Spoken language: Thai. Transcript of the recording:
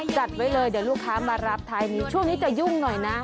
จัดไว้เลยเดี๋ยวลูกค้ามารับท้ายนี้ช่วงนี้จะยุ่งหน่อยนะ